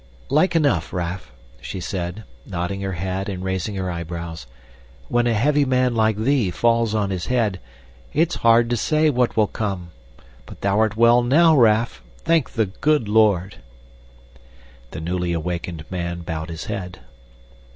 "Like enough, Raff," she said, nodding her head and raising her eyebrows. "When a heavy man like thee falls on his head, it's hard to say what will come but thou'rt well NOW, Raff. Thank the good Lord!" The newly awakened man bowed his head.